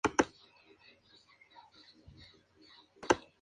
Más tarde retomó su verdadero nombre.